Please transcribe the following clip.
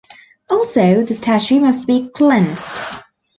Also, the statue must be cleansed.